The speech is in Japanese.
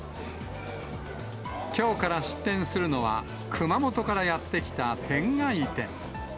きょうから出店するのは、熊本からやって来た天外天。